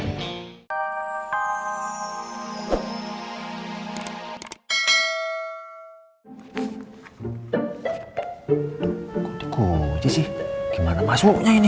kok digoreng sih gimana masuknya ini